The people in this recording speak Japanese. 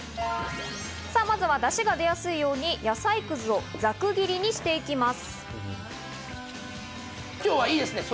まずはだしが出やすいように野菜くずをざく切りにしていきます。